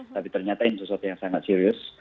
tapi ternyata ini sesuatu yang sangat serius